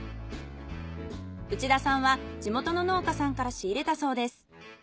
内田さんは地元の農家さんから仕入れたそうです。